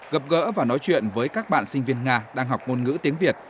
gặp gỡ và nói chuyện với các bạn sinh viên nga đang học ngôn ngữ tiếng việt